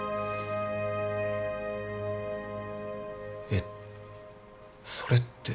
えっそれって。